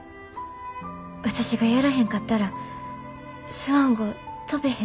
私がやらへんかったらスワン号飛ベへん。